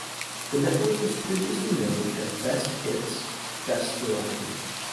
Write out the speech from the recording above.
The network was previously known as Best Hits, Best Variety.